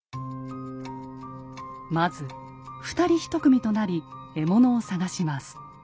まず二人一組となり獲物を探します。